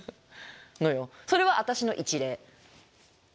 それは私の一例。